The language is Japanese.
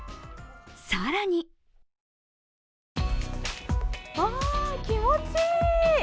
更にうわ、気持ちいい。